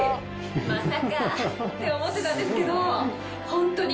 まさかって思ってたんですけど。